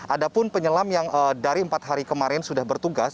ada pun penyelam yang dari empat hari kemarin sudah bertugas